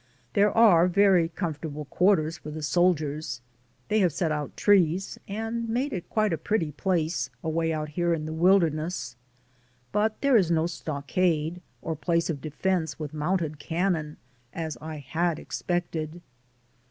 There are very comfortable quarters for the soldiers ; they have set out trees, and made it quite a pretty place, away out here in the wilderness, but there is no stockade, or place of defense, with mounted cannon, as I had expected.